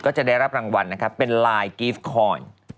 จะได้รับรางวัลนะครับเป็นลายกรีฟคอน